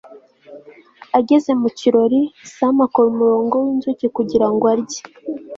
ageze mu kirori, sam akora umurongo winzuki kugirango arye